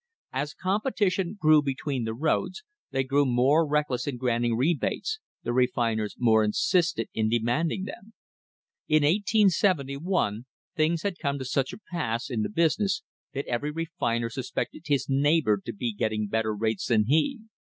As competition grew between the roads, they grew mon reckless in granting rebates, the refiners more insistent ir demanding them. By 1871 things had come to such a pass ir the business that every refiner suspected his neighbour to b< ] getting better rates than he.